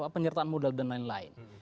penyertaan modal dan lain lain